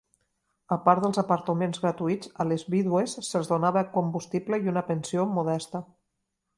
A part dels apartaments gratuïts, a les vídues se'ls donava combustible i una pensió modesta.